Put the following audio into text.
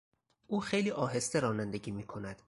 او خیلی آهسته رانندگی میکند.